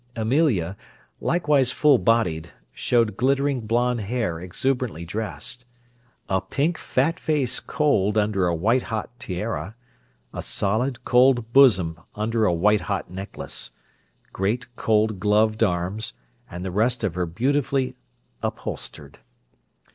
Amelia, likewise full bodied, showed glittering blond hair exuberantly dressed; a pink, fat face cold under a white hot tiara; a solid, cold bosom under a white hot necklace; great, cold, gloved arms, and the rest of her beautifully upholstered.